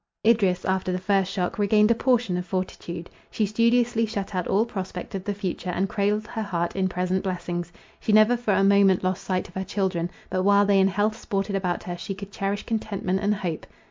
Idris, after the first shock, regained a portion of fortitude. She studiously shut out all prospect of the future, and cradled her heart in present blessings. She never for a moment lost sight of her children. But while they in health sported about her, she could cherish contentment and hope.